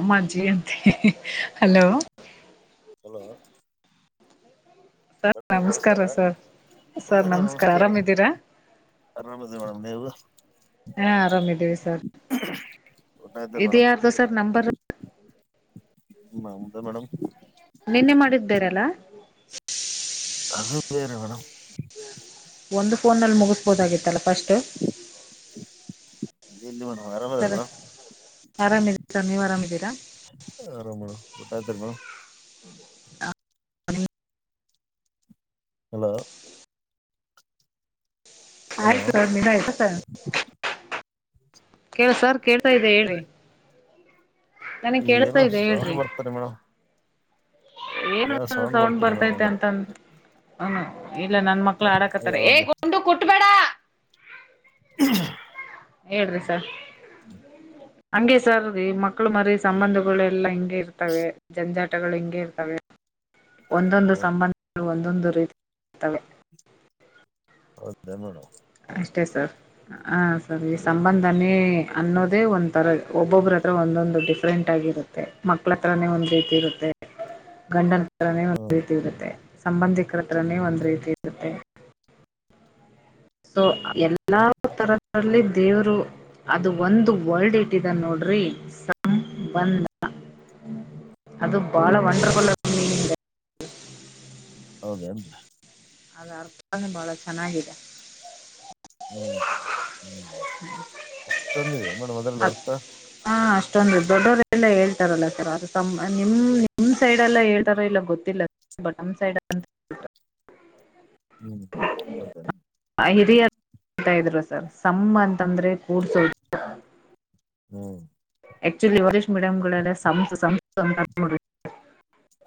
ಅಮ್ಮಜ್ಜಿ ಅಂತೆ hello hello sir ನಮಸ್ಕಾರ sir sir ನಮಸ್ಕಾರ ಆರಾಮಿದ್ದೀರ ಆರಾಮದ ಮೇಡಮ್ ನೀವು ಹಾ ಆರಾಮ ಇದ್ದೀವಿ ಸರ್ ಇದು ಯಾರದು ಸರ್ ನಂಬರ್ ನಮ್ದೆಮೇಡಮ್. ನಿನ್ನೆ ಮಾಡಿದ್ದ ಬೇರೆ ಅಲ. ಅದು ಬೇರೆ ಮೇಡಂ. ಒಂದು ಫೋನಲ್ಲಿ ಮುಗಸಬೋದಾಗಿತ್ತಲ್ಲ ಫಸ್ಟ್. ಎಲ್ಲಿ ಮೇಡಂ. ಸರ ಆರಾಮೀದಿವಿ ಸರ್ ನೀವು ಆರಾಮಿದೀರಾ. ಆರಾಮ್ ಊಟ ಆಯ್ತಿರಿ ನಿಮ್. ದು ಹ. [inaudible] ಹಲೋ. ಹಲೋ ಆಯತು ಮಿನಯತಸ. [inaudible] ಕೇಳ ಸರ್ ಕೇಳ್ತಾ ಇದೆ ಹೇಳಿ. ಏನೋ ಸೋಂದಾ ಹೇಳ್ರಿ ಬರ್ತಾರಿ ಇದೇ ಮೇಡಂ. ಏನು ಸೌಂಡ್ ಮೇಡಮ್ ಬರ್ತೈತೆ ಅಂದ್ರೆ ಅಂತ ಅಂದ. ಹ ಇಲ್ಲ ನನ್ ಮಕ್ಳ ಆಡಾಕತ್ತಾರ ಹೇ ಯಾವ್ದ ಗುಂಡು ಕುಟ್ಬೇಡ. ಹೇಳ್ರಿ ಸರ್ ಹಂಗೆ ಸರ್ ಮಕ್ಕಳು. ಮಕ್ಕಳು ಮರಿ ಹ್ಮ್ ಸಂಬಂಧಗಳೆಲ್ಲಾ ಹಿಂಗೆ ಇರ್ತವೆ ಜಂಜಾಟಗಳು ಹಿಂಗೆ ಇರ್ತವೆ. ಒಂದೊಂದು ಹೌದ್ ಸಂಬಂಧಗಳು ಒಂದೊಂದು ರೀತಿ ಇರ್ತ್ತವೆ. ಹೌದೇನು. ಅಷ್ಟೇ ಸರ್ ಹ ಸರ್ ಈ ಸಂಬಂಧನೇ ಅನ್ನೋದೇ ಒಂಥರ ಒಬ್ಬೊಬ್ಬ್ರ. ತ್ರ ಒಂದೊಂದು ಡಿಫ್ರೆಂಟ್ ಆಗಿ ಇರುತ್ತೆ ಮಕ್ಕಳ ಹತ್ರಾನೇ ಒಂದ್ ರೀತಿ ಇರುತ್ತೆ ಗಂಡನ. ತ್ರ ಒಂದು ಹ್ಮ್ ರೀತಿ ಇರುತ್ತೆ ಸಂಬಂಧಿಕರತ್ರನೇ ಒಂದು ರೀತಿ ಇರುತ್ತೆ. ಸೊ ಎಲ್ಲಾ ತರ್ರಲ್ಲಿ ದೇವರು. ಅದು ಒಂದು ವರಡ್ ಇಟ್ಟಿದಾನೇ ನೋಡ್ರಿ ಸಂಬಂದ. ಅದು ಬಾಳ ಹ್ಮ್ ವಂಡರ್ಫುಲ್ ಅ. [unintelligible] ಹೌದೆನ್ರೀ. ಅದ ಅರ್ಥನೇ ಬಾಳ ಚೆನ್ನಾಗಿದೆ. ಹ್ಮ್. ಹ್ಮ. [inaudible] ನಡ ಮೊದಲು ಅರ್ಥ. ಅಷ್ಟೊಂದು ದೊಡ್ಡವರೆಲ್ಲ ಹೇಳ್ತಾರಲ್ಲ ಸರ್ ಅ ನಿಮ್ ನಿಮ್ ಸೈಡೆ ಎಲ್ಲ ಹೇಳ್ತಾರೋ ಇಲ್ಲ ಗೊತ್ತಿಲ್ಲ. ಬಟ್ ನಮ್ ಸೈಡ್ ಅಂತ. [inaudible] ಹ್ಮ್ ಹೌದ. ತಾ ಅಂತ ಇದ್ರು ಸರ್ ಸಂಬಂಧ ಅಂದ್ರೆ ಕೂಡ್ಸೋದು. ಹ್ಮ್. ಆಕ್ಚುಲಿ ಈವಾಗ ಇಂಗ್ಲಿಷ್ ಮೀಡಿಯಂಗಳಲ್ಲ ಸಂಸಂಸ್ಕೃ.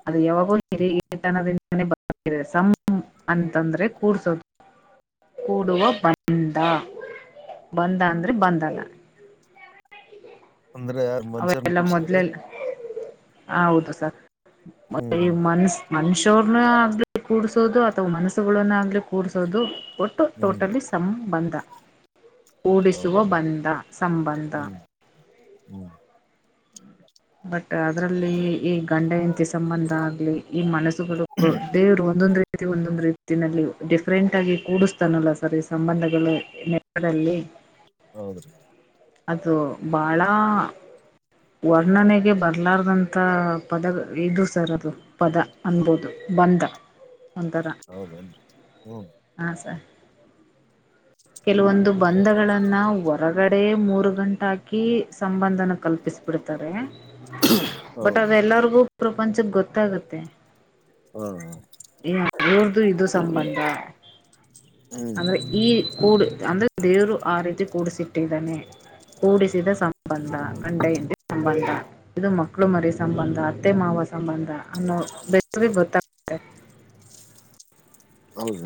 ಅದು ಯಾವಾಗೂ ಹಿರಿತನದಿಂದೇ ಬಂದಿದೆ ಸಂ ಅಂತಂದ್ರೆ ಕೂಡೋಸ್ದು. ಕೂಡುವ ಬಂದ ಬಂದ ಅಂದ್ರೆ ಬಂದಲ್ಲ. ಅಂದ್ರೆ ಯಾರ್ ಮನುಷ್ಯರನ್ ಅವೆೆಲ್ಲ ಕೂಡ್ಸವ್ರಿ ಮೊದ್ಲೆಲ್ಲ ಹ ಹೌದು ಸರ್ ಮ ಹ್ಮ್ ಮನ್ಸೂ. ಮನುಷ್ಯರ್ನ್ನ ಆಗ್ಲಿ ಕೂಡ್ಸೋದು ಅಥವಾ ಮನಸ್ಸುಗಳನ್ನ ಆಗ್ಲಿ ಕೂಡ್ಸೋದು. ಕೊಟ್ಟು ಹ್ಮ್ ಟೋಟಲಿ ಸಂ ಬಂಧ. ಕೂಡಿಸುವ ಹೌದೇನ್ರಿ ಬಂಧ ಸಂಬಂಧ. ಹ್ಮ್. ಬಟ್. ಅದರಲ್ಲಿ ಹ್ಮ್ ಈ ಗಂಡ ಹೆಂಡತಿ ಸಂಬಂಧ ಆಗ್ಲಿ ಈ ಮನಸುಗಳು ದೇವರು ಒಂದೊಂದ್ ರೀತಿ ಒಂದೊಂದ್ ರೀತಿ. ಜಗತ್ತಿನಲ್ಲಿ ಡಿಫ್ರಂಟ್ ಆಗಿ ಕೂಡಿಸ್ತಾನಲ್ಲ ಸರಿ ಈ ಸಂಬಂಧಗಳು ನೆಪದಲ್ಲಿ. ಹೌದ್ರೀ. ಅದು ಬಾಳ. ವರ್ಣನೆಗೆ ಬರ್ಲಾರ್ದಂತ ಪದ ಇದು ಸರ್ ಅದು ಪದ ಅನ್ಬೋದು. ಬಂದ ಒಂಥರ ಹೌದೇನ್ರಿ ಹ್ಮ್ ಹಾಂ ಸರ್. ಕೆಲಯೊಂದು ಬಂಧಗಳನ್ನ ಹೊರಗಡೆ. ಮೂರು ಗಂಟೆ ಹಾಕಿ ಸಂಬಂಧನ ಕಲ್ಪಿಸ್ ಬಿಡ್ತಾರೆ. ಬಟ್ ಹೌದು ಅದೆಲ್ಲರ್ಗೂ ಪ್ರಪಂಚಕ್ ಗೊತ್ತಾಗುತ್ತೆ. ಹಾ ಇವ್ರ್ದು ಇದು ಸಂಬಂಧ. ಹ್ಮ್ ಅಂದ್ರೆ ಈ ಕೂಡ್ ಅಂದ್ರೆ ದೇವರು ಆ ರೀತಿ ಕೂಡಿಸಿಟ್ಟಿದ್ದಾನೆ ಕೂಡಿಸಿದ ಸಂ ಬಂದ ಗಂಡ ಹಂಡಿ ಸಂಬಂಧ ಇದು ಮಕ್ಕಳು ಮರಿ ಸಂಬಂಧ ಅತ್ತೆ ಮಾವ ಸಂಬಂಧ ಅನ್ನೋ ಬಸಿ [unintelligible] ಗೊತ್ತಾಗುತ್ತೆ.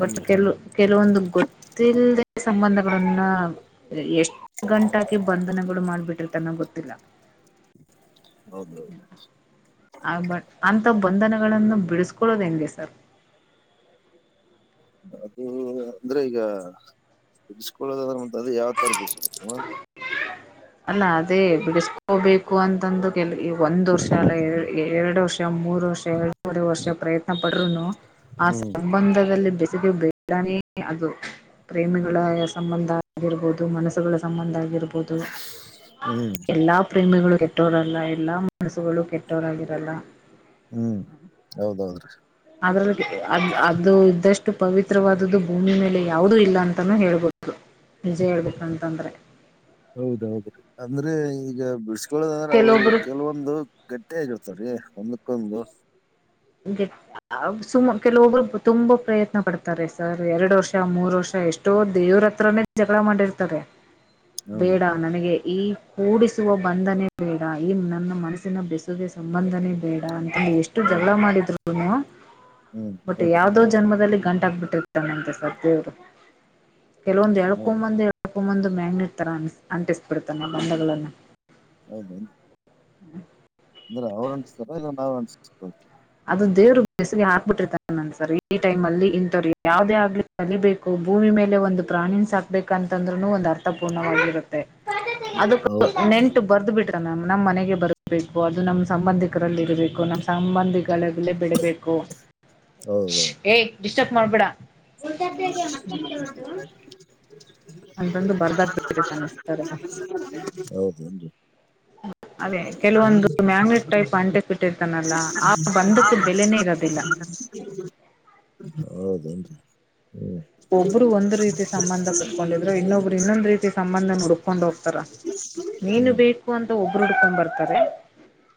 ಬಟ್ ಕೆಲ ಕೆಲವೊಂದು ಗೊತ್ತಿಲ್ಲ್ದೆ ಸಂಬಂಧಗಳನ್ನ ಎಷ್ಟ್ ಗಂಟಾಕಿ ಬಂಧನಗಳು ಮಾಡ್ಬಿಟ್ಟ್ [unintelligible] ತನ ಗೊತ್ತಿಲ್ಲ. [inaudible] ಹೌದೌದು. ಆ ಬಟ್ ಅಂತ ಬಂಧನಗಳನ್ನು ಬಿಡಿಸಕೊಳ್ಳೋದ್ ಹೆಂಗೆ ಸರ್. ಅದು ಅಂದ್ರೆ ಈಗ ಬಿಡುಸ್ಕೊಳ್ಳೊದು ಅಂದ್ರೆ ಯಾವ ತರ ಬಿಡುಸ್ಕೊಳೊದು ಮ್ಯಮ್. ಅಲ್ಲ ಅದೇ ಬಿಡಿಸಕೋಬೇಕು ಅಂತಂದು ಕೆ ಈ ಒಂದ್ ವರ್ಷ ಅಲ್ಲ ಎರ್ ಎರಡು ವರ್ಷ. ಮೂರು ವರ್ಷ ಎರಡು ವರೆ ವರ್ಷ ಪ್ರಯತ್ನ ಪಟ್ರುನು ಆ ಹ್ಮ್ ಸಂಬಂಧದಲ್ಲಿ ಬೆಸಿಗೆ ಬೇಕ್ [unintelligible] ಇದಾನೆ ಅದು. ಪ್ರೇಮಿಗಳ ಸಂಬಂಧ ಆಗಿರ್ಬೋದು ಮನಸ್ಸುಗಳ ಸಂಬಂಧ ಆಗಿರ್ಬೋದು. ಹ್ಮ್ ಎಲ್ಲಾ ಪ್ರೇಮಿಗಳು ಕೆಟ್ಟೋರಲ್ಲ ಎಲ್ಲಾ ಮನಸ್ಸಗಳು ಕೆಟ್ಟೋರಾಗಿರಲ್ಲ. ಹ್ಮ್ ಹೌದೌದ್ರಿ. ಅದ್ರಲ್ಲಿ ಅದ್ ಅದು ಇದ್ದಷ್ಟ. [unintelligible] ಪವಿತ್ರವಾದದ್ದು ಭೂಮಿ ಮೇಲೆ ಯಾವುದೂ ಇಲ್ಲ ಅಂತಾನೂ ಹೇಳ್ಬಹುದು. ನಿಜ ಹೇಳ್ಬೇಕಂತಂದ್ರೆ. ಹೌದೌದ್ರೀ ಅಂದ್ರೆ ಈಗ ಬಿಡ್ಸೀ ತುಳುದಂದ್ರೆ ಅವು ಕೆಲವೊಬ್ರು ಕೆಲವೊಂದು ಗಟ್ಟಿಯಾಗಿರ್ತಾವ್ರೀ ಒಂದಕ್ಕೊಂದು. [unintelligible] ಗೆ ಅವ್ ಸುಮ ಕೆಲವೊಬ್ರು ತುಂಬಾ ಪ್ರಯತ್ನ ಪಡ್ತಾರೆ ಸರ್ ಎರಡು ವರ್ಷ ಮೂರ್ ವರ್ಷ. [unintelligible] ಎಷ್ಟೋ ದೇವ್ರ ಹತ್ರನೇ ಜಗಳ ಮಾಡಿರ್ತಾರೆ ಹ್ಮ್ ಬೇಡ ನನಗೆ. ಈ ಕೂಡಿಸುವ ಬಂಧನೆ ಬೇಡ ಈ ನನ್ನ ಮನಸ್ಸಿನ ಬೆಸುಗೆ ಸಂಬಂಧನೇ ಬೇಡ ಅ ಎಷ್ಟು ಜನ ಹೌದು ಹ್ಮ್ [unintelligible] ಬಟ್ ಹೌದನ್ ಯಾವದೋ ಜನ್ಮದಲ್ಲಿ. ಗಂಟಾಕಿ ಬಿಟ್ಟಿರ್ತಾನೆ ಅಂತೆ ದೇವ್ರು ಕೆಲವೊಂದ್ ಹೌದ್ ಎಳ್ಕೊಂಬಂದ ಎಳ್ [unintelligible] ಬಂದು ಮ್ಯಾಗ್ನೆಟ್ ತರ ಅಂಟಿಸ್ಬಿಡ್ತಾನೆ ಬಂದಗಳನ್ನ. ದೌದು. [inaudible] ಅಂದ್ರೆ ಅವ್ರ್ ಅಂಟಿಸ್ತಾರೆ ಈ ನಾವ್ ಅಂಟಿಸ್ಕೊಳ್ತೀವ. ಅದು [unintelligible] ದೇವರು ಬಸಿಗೆ ಹಾಕ್ಬಿಟ್ಟಿರ್ತಾರೆ ಒಂದ್ ಸರಿ ಈ ಟೈಮ್ಮಲ್ಲಿ ಇಂಥವ್ರು ಯಾವವುದೇ ಆಗ್ಲಿ ಕಲಿಬೇಕು ಭೂಮಿ [unintelligible] ಮೇಲೆ ಒಂದು ಪ್ರಾಣಿನ ಸಾಕ್ಬೇಕ ಅಂತಂದ್ರುನು ಒಂದು ಅರ್ಥಪೂರ್ಣವಾಗಿರುತ್ತೆ. ಅದಕ್ಕ ಹೌದ್ ನೆಂಟು ಬರ್ದು ಬಿಡ್ರಿ ನಮ್ಮ್ ನಮ್ ಮನೆಗೆ ಬರಬೇಕು ಅದು ನಮ್ಮ್ ಸಂಬಂಧಿಕರಲ್ಲಿ ಇರಬೇಕು ನಮ್ಮ್ ಸಂಬಂಧಿಗಳ ಲ್ಲ ಬೆಳಿಬೇಕು ಶೂ ಹೌದೌದು ಏ ಡಿಸ್ಟರ್ಬ್ ಮಾಡ್ಬೇಡಾ. [inaudible] ಅಂತಂದು ಬರ್ದಾಕ್ಬಿಟ್ಟಿರ್ತಾನೆ ಸರ್ ಅದು ಹೌದೇನ್ರಿ. [inaudible] ಅದೇ ಕೆಲವೊಂದು ಮ್ಯಾಗ್ನೆಟ್ ಟೈಪ್ [unintelligible] ಅಂಟಿಸ್ಬಿಟ್ಟಿರ್ತಾನಲ್ಲ ಆ ಬಂಧಕ್ಕೆ ಬೆಲೆನೇ ಇರೋದಿಲ್ಲ ಹೌದೇನ್ರಿ. ಹ್ಮ್ ಒಬ್ರು ಒಂದ್ ರೀತಿ ಸಂಬಂಧ ಪಟ್ಕೊಂಡಿದ್ರೆ ಇನ್ನೊಬ್ರು ಇನ್ನೊಂದ್ ರೀತಿ ಸಂಬಂಧ ಹುಡ್ಕೊಂಡ್ ಹೋಗ್ತಾರ ನೀನು ಹ್ಮ್ ಬೇಕು ಅಂತ ಒಬ್ಬರು ಹುಡ್ಕೊಂಡ್ ಬರ್ತಾರೆ.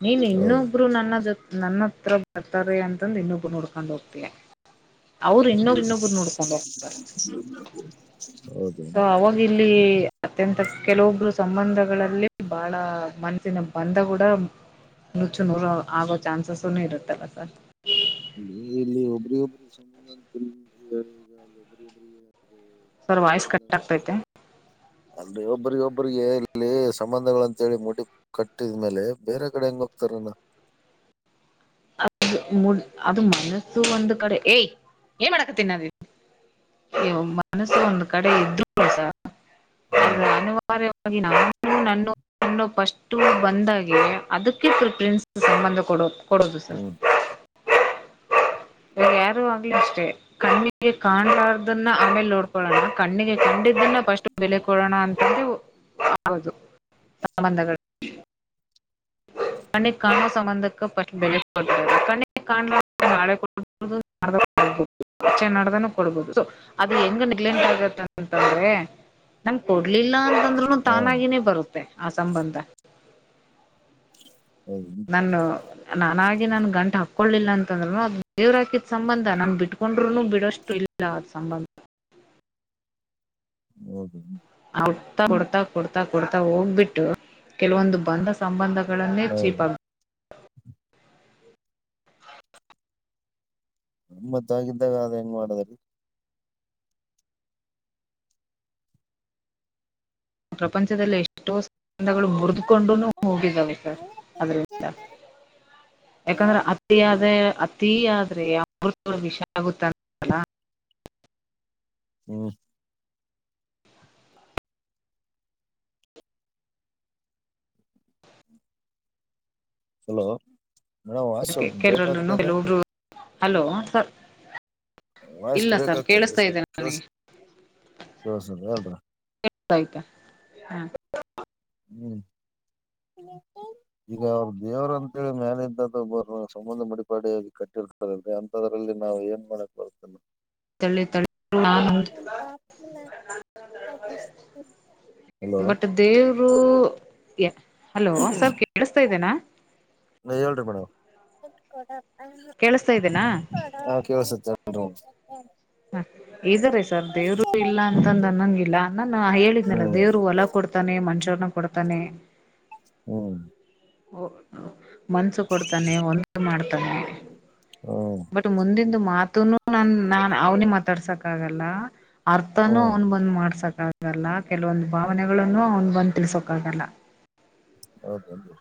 ನೀನ್ ಹೌದ್ ಇನ್ನೊಬ್ರು ನನ್ನ ಜೊ ನನ್ನತ್ರ ಬರ್ತಾರೆ ಅಂತಂದು ಇನ್ನೊಬ್ರನ್ನ ಹುಡ್ಕೊಂಡ್ ಹೋಗ್ತಯ. ಅವರು ಇನ್ನುರ್ ಇನ್ನೊಬ್ಬರುನ್ನ ಉಡ್ಕೊಂಡ್ ಹೊ ಹೌದು ಸೊ ಅವಾಗ ಇಲ್ಲಿ ಅತ್ಯಂತ ಕೆಲವೊಬ್ರು ಸಂಬಂಧಗಳಲ್ಲಿ ಬಹಳ ಮನಸಿನ ಬಂಧಗೂಡ ನುಚ್ಚು ನೂರೋ ಆಗೋ ಚಾನ್ಸಸನು ಇರುತ್ತಲ್ಲ ಸರ್. [inaudible] ಸರ್ ವಾಯ್ಸ್ ಕಟ್ ಆಗ್ತೈತೆ. ಅಂದ್ರೆ ಒಬ್ಬರಿಗ ಒಬ್ಬರಿಗೆ ಇಲ್ಲಿ ಸಂಬಂಧಗಳಂತೇಳಿ ಮುಡಿ ಕಟ್ಟಿದ್ಮೇಲೆ ಬೇರೆ ಕಡೆ ಹೆಂಗ್ [inaudible] ಅದು ಅದು ಮನಸ್ಸು ಒಂದು ಕಡೆ ಏಯ ಏನ್ ಮಾಡಕತ್ತೀನ ನಾನ್ ಇಲ್ಲಿ ಮನಸ್ಸು ಒಂದ್ ಕಡೆ ಇದ್ದರೂನು ಸಹ ಅ ಹ್ಮ್ ಅನಿವಾರ್ಯವಾಗಿ ನಾವೇ ನನ್ನ ನನ್ನ ಫಸ್ಟ್ ಬಂದಾಗೆ ಅದಕ್ಕೆ ಪ್ರೆಫರೆನ್ಸ್ ಸಂಬಂಧ ಕೊಡೋದು. ಕೊಡೋದು ಸರ್. ಹ್ಮ್ [inaudible] ಇವಾಗ ಯಾರು ಆಗ್ಲಿ ಅಷ್ಟೇ ಕಣ್ಣಿಗೆ ಕಾಣ್ಲಾರ್ದನ್ನ ಆಮೇಲೆ ನೋಡ್ಕೊಳ್ಳೋಣ ಕಣ್ಣಿಗೆ ಕಂಡಿದ್ದನ್ನ ಫಸ್ಟ್ ಬೆಲೆ ಕೊಡೋಣ ಅಂತ ಇವು ಹೌದು ಸಂಬಂಧಗಳು [inaudible] ಕಣ್ಣಿಗೆ ಕಾಣುವ ಸಂಬಂಧಕ್ಕ ಫರ್ಸ್ಟ್ ಬೆಲೆ ಕೊಡಬೇಕು ಕಣ್ಣಿಗ್ ಕಾನ್ಲಾರ್ದ ನಾಳೆ ಕೊಡಬೋದು ನಾಡದ್ದು ಕೊಡಬೋದು. ಅಚ್ಚೆ ನಾಡ್ದನು ಕೊಡ್ಬೋದು ಸೊ ಅದು ಹೆಂಗ ನೆಗ್ಲೆಟ್ ಆಗತ್ತ ಅಂತಂದ್ರೆ ನಂಗ್ ಕೊಡ್ಲಿಲ್ಲ ಅಂತಂದ್ರುನು ಹಾ ತಾನಾಗಿನೇ ಬರುತ್ತೆ ಆ ಸಂಬಂಧ. ಹೌದು ನಾನು ನಾನಾಗಿ ನಾನ್ ಗಂಟ್ ಹಾಕ್ಕೊಳ್ಲಿಲ್ಲ ಅಂತಂದ್ರುನು ಅದ್ ದೇವ್ರ ಹಾಕಿದ್ ಸಂಬಂಧ ನಾನ್ ಬಿಟ್ಕೊಂಡ್ರುನು ಬಿಡೋಷ್ಟು ಇಲ್ಲ ಇಲ್ಲ ಆ ಸಂಬಂಧ. [inaudible] ಹೌದ ಆ ಕೊಡ್ತಾ ಕೊಡ್ತಾ ಕೊಡ್ತಾ ಕೊಡ್ತಾ ಹೋಗ್ಬಿಟ್ಟು ಕೆಲವೊಂದು ಬಂದ ಸಂಬಂಧ ಗಳನ್ನೆ ಚೀಪ ಹೌದು ಮ್ಮತ್ತ ಹಾಗಿದ್ದಾಗ ಅದ ಹೆಂಗ್ ಮಾಡಿದ್ರ ಪ್ರಪಂಚದಲ್ಲಿ ಎಷ್ಟೋ ಬಂಧಗಳು ಮುರಿದಕೊಂಡುನೂ ಹೋಗಿದಾವೆ ಸರ್ ಅದ್ರಿಂದ ಯಾಕಂದ್ರೆ ಅತಿಯಾದ ಅತಿ ಅತಿ ಆದ್ರೆ ಅಮೃತ ವಿಷ ಆಗುತ್ತಲ್ಲ ಹ್ಮ್ ಹಲೋ ಮೇಡಮ್ ವಾಯ್ಸ್ ಸ್ವಲ್ಪ ಬ್ರೇಕ್ ಕೆಲವರಲ್ಲೂ ಆಗ್ತಾಇದೆ. ಕೆಲವೊಬ್ರು ಹಲೋ ಸರ್ ವಾಯ್ಸ್ ಇಲ್ಲ ಬ್ರೇಕ್ ಸರ್ ಆಗ್ತಾ ಇದೇರಿ ಕೇಳಿಸ್ತಾ ಇದೆ ಸ್ವಲ್ಪ ಕೆಲ್ಸ ನನಗೆ ಕೇಳಸರ ಹೇಳ್ರಿ ಹಾ ಹ್ಮ್ ಈಗ ಅವ್ರ ದೇವ್ರ ಅಂತೇಳಿ ಮೇಾಲ ಇದ್ದ್ದು ಒಬ್ಬ ಸಂಬಂಧ ಮಡಿಪಾ ಕಟ್ಟಿರ್ತಾರೆ ಅಂತದ್ರಲ್ಲಿ ಲ್ಲಿ ನಾವ ಏನ್ ಮಾಡಕ್ ಬರ್ತದ ತಳ್ಳಿ ತಳ್ಳಿ [unintelligible] ಹಲೋ ಬಟ್ ದೇವರು ಯ ಹಲೋ ಸರ್ ಕೇಳಿಸ್ತಾ ಇದ್ದೇನಾ? ನೀವ ಹೇಳ್ರಿ ಮೇಡಮ್ ಕೇಳಿಸ್ತಾ ಇದ್ದೇನಾ ಹಾ ಕೇಳಸುತ್ತ [unintelligible] ಹ ಇದಾರೆ ಸರ್ ದೇವ್ರು ಇಲ್ಲ ಅಂತಂದ ನಂಗಿಲ್ಲ ನಾನ ಹೇಳಿದ್ನಲ್ಲ ಹ್ಮ್ ದೇವ್ರು ಹೊಲ ಕೊಡ ಕೊಡ್ತಾನೆ ಮಂಚೂರನ ಕೊಡ್ತಾನೆ ಹ್ಮ್ ಓ ಮನ್ಸು ಕೊಡ್ತಾನೆ ಒಂದು ಮಾಡ್ತಾನೆ ಹ್ಮ್ ಬಟ್ ಮುಂದಂದು ಮಾತನು ನನ್ ನಾ ಅವ್ನೇ ಮಾತಾಡ್ಸಕ್ ಆಗಲ್ಲ ಅರ್ಥನುೂ ಹ್ಮ್ ಅವ್ನು ಬಂದ್ ಮಾಡ್ಸಕ ಗಲ್ಲ ಕೆಲವೊಂದು ಭಾವನೆಗಳಗಳನ್ನು ಅವನ್ ಬಂದ ತಿಳ್ಸೋಕ ಆಾಗಲ್ಲ ಹೌದದುದು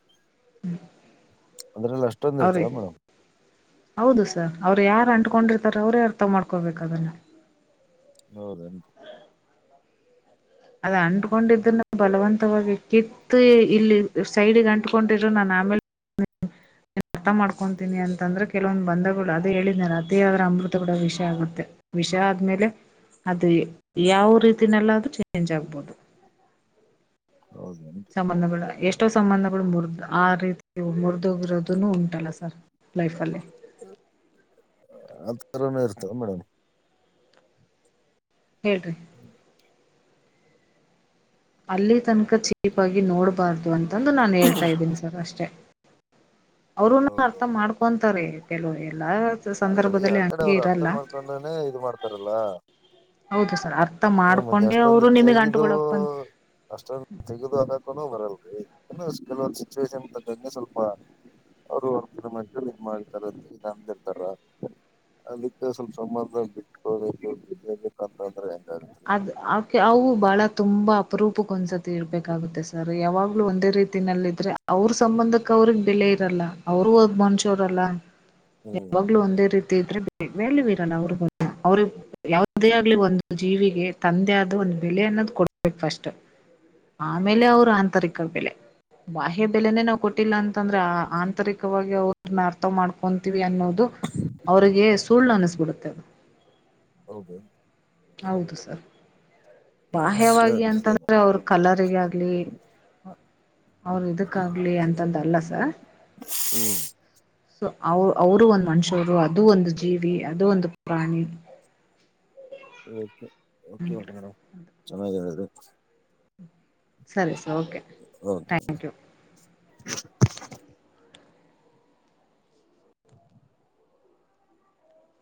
ಹ್ಮ್ ಅಂದ್ರಲ್ಲಿ ಅಷ್ಟೊಂದ್ ಇರ್ತದೆ ಮೇಡಮ್ ಹೌದು ಸರ್ ಅವ್ರು ಯಾರು ಅಂಟ್ಕೊಂಡಿರ್ತಾರ ಅವ್ರೇ ಅರ್ಥ ಮಾಡ್ಕೊಬೇಕು ಅದನ್ನ ಹೌದಟ ಅದ ಅಂಟಕೊಂಡಿದ ಬಲವಂತವಾಗಿ ಕಿತ್ತು ಇಲ್ಲಿ ಸೈಡ್ಗ್ ಅಂಟಕೊಂಡಿದ್ರು ನಾನ ನಮಲೆ [inaudible] ಅರ್ಥ ಮಾಡ್ಕೊತೀನಿ ಅಂತಂದ್ರೆ ಕೆಲವೊಂದು ಬಂಧಗಳು ಅದದು ಹೇಳಿದಿದ್ದಾರೆ ಅತೇ ಆದದರ ಅಮೃತ ಕೊಡೋ ವಿಷಯ ಆಗುತ್ತೆ ವಿಷ ಆದ್ಮೇಲೆ ಅದು ಯಾವ ರೀತಿನೆಲ್ಲಾದ್ರೂ ಚೇಂಜ್ ಆಗ್ಬೋದು ಹೌದೇನ್ರಿ ಸಂಬಂಧಗಳು ಎಷ್ಟೋ ಸಂಬಂಧಗಳು ಮೂರ್ದಲ ಆ ರೀತಿ ಮುರಿದೋಗಿರೋದು ಉಂಟಲ್ಲ ಸರ್ ಲೈಫಲ್ಲಿ ಆ ತರನ ಇರ್ತ ಮೇಡಮ್ ಹೇಳೇರಿ ಅಲ್ಲಿ ತನಕ ಚೀಪ್ ಆಗಿ ನೋಡ್ಬಾರ್ದು ಅಂತಂದು ನಾನನ್ ಹೇಳ್ತಾ ಇದ್ದೀನಿ ಸರ್ ಅಷ್ಟೆ ಅವರುೂನು ಅರ್ಥ ಮಾಡ್ಕೊಂತಾರೆ ಕೆಲವ ಲ್ಲ ಅಲ್ರಿ ಆ ಸಂದರ್ಭದಲ್ಲಿ ಕಡೆ ಹಂಗೆ ಅವ್ರು ಅರ್ಥ ಇರಲ್ಲ ಮಾಡ್ಕೊಂಡನೆ ಇದು ಮಾಡ್ತಾರಲ್ಲ ಹೌದು ಸರ್ ಅರ್ ಹ್ಮ ಮತ್ತೆ ಅಷ್ಟೊಂದು ತೆೆಗೆದು ಬಂದ್ ಅಷ್ಟೊಂದು ತೆೆಗೆದು ಹಾಕೊಂಡ ಬರಲ್ಲ ಕೆಲವೊ ಸಿಚುವೇೇಶನ್ಗೆ ಸ್ವಲ್ಪ ಅವರು ಒ ಕಿ ಮರು ನಿನ್ ಮಾಡತಾರಂತ ನಂದ ಇರ್ತಾರ ಅದಕ್ಕೆ ಸ್ವಲ್ಪ ಸಂಬಂಧ ಬಿಟ್ಕೊಬೇಕುೇ ಬಂತಂದ್ರೆ ಅದ ಅಕೆ ಅವು ಬಹಳ ತುಂಬಾ ಅಪರೂಪಕ್ಕ ಒಂದ್ಸತಿ ಇರ್ಬೇಕಾಗುತ್ತೆ ಸರ್ ಯಾವಾಗ್ಲೂ ಒಂದೇ ರೀತಿನಲ್ಲಿ ಇದ್ರೆ ಅವ್ರ ಸಂಬಂಧಕ್ಕ ಅವ್ರಿಗೆ ಬೆಲೆ ಇರಲ್ಲ ಅವರುೂ ಹ ಮನುಷ್ಯರಲ್ಲ ಹ್ಮ್ ಯಾವಾಗ್ಲೂ ಒಂದೇ ರೀತಿ [unintelligible] ಜೀವಿಗೆ ತಂದೆಯ ಆದದು ಒಂದು ಬೆಲೆ ಅನ್ನೋದು ಕೊಡ್ಬೇಕು ಫಸ್ಟ್ ಆಮೇಲೆ ಅವರು ಆಂತರಿಕ ಬೆಲೆ ಬಾಹ್ಯ ಬೆಲೆನೇ ನಾವವು ಕೊಟ್ಟಿಲ್ಲ ಅಂತಂದ್ರೆ ಆ ಆಂತರಿಕವಾಗಿ ಅವ್ರನ್ನ ಅರ್ಥ ಮಾಡ್ಕೊಂತೀವಿ ಅನ್ನೋದು ಅವರಿಗೆ ಸುಳ್ಳು ಅನ್ನಿಸ್ಬಿಡುತ್ತೆ ಹೌದು ಹೌದು ಸರ್ ಬಾಹ್ಯವಾಗಿ ಸರಿ ಸರಿ ಅಂತಂದ್ರೆ ಅವ್ರ ಕಲರಿಗ ಆಗ್ಲಿ ಅವರು ಇದಕ್ಕ ಆಗಲಿ ಅಂತಂದಲ್ಲಸ ಹ್ಮ್. ಸೊ ಅವ ಅವರು ಒಂದು ಮನುಷ್ಯವರು ಅದು ಒಂದು ಜೀವಿ ಅದು ಒಂದು ಪ್ರಾಣಿ. [inaudible] ಓಕೆ ಟೆರ ಚನ್ನಾಗಿದು ಸರಿ sir okay okay thank you [inaudible]